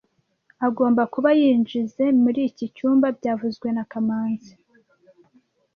Agomba kuba yinjizoe muri iki cyumba byavuzwe na kamanzi